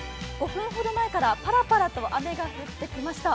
５分ほど前からパラパラと雨が降ってきました。